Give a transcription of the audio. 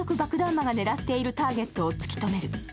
魔が狙っているターゲットを突き止める。